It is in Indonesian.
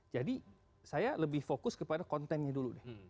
jadi saya lebih fokus kepada kontennya dulu deh